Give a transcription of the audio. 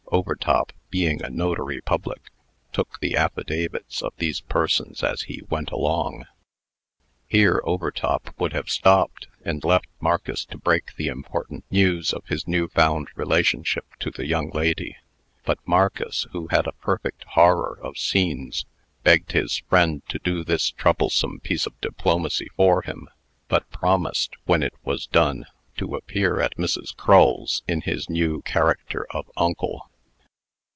Overtop, being a Notary Public, took the affidavits of these persons as he went along. Here Overtop would have stopped, and left Marcus to break the important news of his new found relationship to the young lady. But Marcus, who had a perfect horror of scenes, begged his friend to do this troublesome piece of diplomacy for him, but promised, when it was done, to appear at Mrs. Crull's in his new character of uncle.